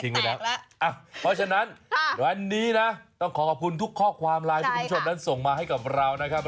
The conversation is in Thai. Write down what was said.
เพราะฉะนั้นวันนี้นะต้องขอขอบคุณทุกข้อความไลน์ที่คุณผู้ชมนั้นส่งมาให้กับเรานะครับ